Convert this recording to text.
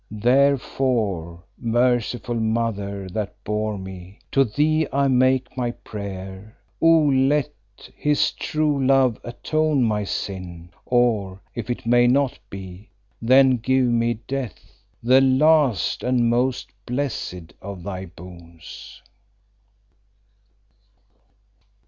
"Therefore, merciful Mother that bore me, to thee I make my prayer. Oh, let his true love atone my sin; or, if it may not be, then give me death, the last and most blessed of thy boons!"